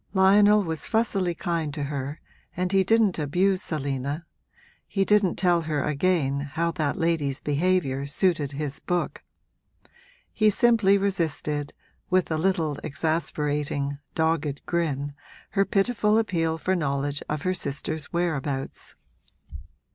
Lionel was fussily kind to her and he didn't abuse Selina he didn't tell her again how that lady's behaviour suited his book. He simply resisted, with a little exasperating, dogged grin, her pitiful appeal for knowledge of her sister's whereabouts.